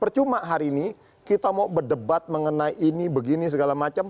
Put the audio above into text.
percuma hari ini kita mau berdebat mengenai ini begini segala macam